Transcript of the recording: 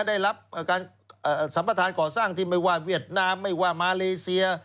ได้รับการสัมประธานก่อสร้างที่ไม่ว่าเวียดนามไม่ว่ามาเลเซีย